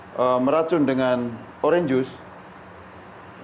saya meracun dengan orange juice